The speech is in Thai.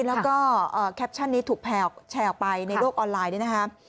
แล้วก็แคปชั่นนี้ถูกแพล่ออกแชร์ออกไปในโลกออนไลน์